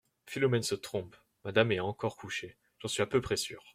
Philomèle se trompe ; Madame est encore couchée, j’en suis à peu près sûr.